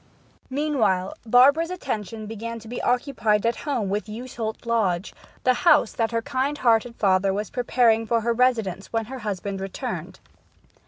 Meanwhile, Barbara's attention began to be occupied at home with Yewsholt Lodge, the house that her kind hearted father was preparing for her residence when her husband returned.